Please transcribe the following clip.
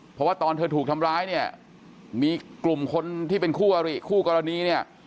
เพราะว่าตอนเธอถูกทำร้ายมีกลุ่มคนที่เป็นคู่กรณี